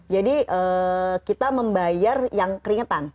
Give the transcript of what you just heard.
jadi kita membayar yang keringetan